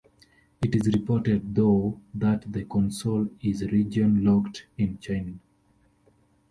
It is reported, though, that the console is region-locked in China.